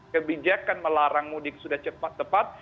kebijakan melarang mudik sudah cepat cepat